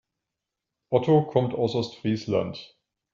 Otto kommt aus Ostfriesland.